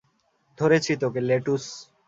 ধরেছি তোকে, লেটুস।